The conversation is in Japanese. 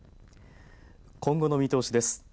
今後の見通しです。